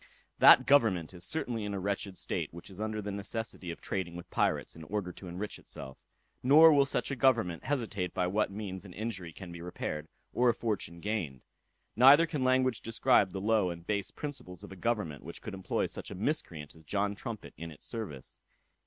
That government is certainly in a wretched state, which is under the necessity of trading with pirates, in order to enrich itself; nor will such a government hesitate by what means an injury can be repaired, or a fortune gained. Neither can language describe the low and base principles of a government which could employ such a miscreant as John Trumpet in its service.